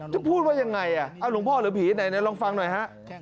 พูดว่ายังไงหลวงพ่อหรือผีไหนลองฟังหน่อยฮะ